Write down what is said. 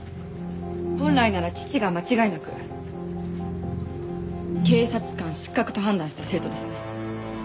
本来なら父が間違いなく警察官失格と判断した生徒ですね。